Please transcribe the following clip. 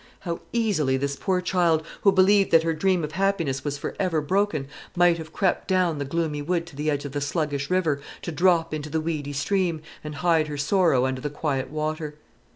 How easily this poor child, who believed that her dream of happiness was for ever broken, might have crept down through the gloomy wood to the edge of the sluggish river, to drop into the weedy stream, and hide her sorrow under the quiet water.